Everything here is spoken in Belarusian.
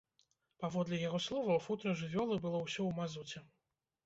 Паводле яго словаў, футра жывёлы было ўсё ў мазуце.